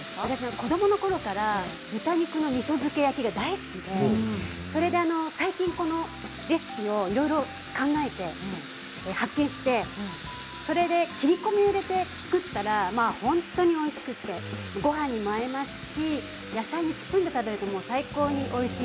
子どものころから豚肉のみそ漬けが大好きで最近このレシピをいろいろ考えて発見して切り込みを入れて作ったら本当においしくて、ごはんにも合いますし野菜に包んで食べると最高においしい。